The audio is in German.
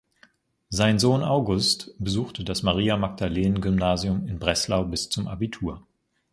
Sein Sohn August besuchte das Maria-Magdalenen-Gymnasium in Breslau bis zum Abitur.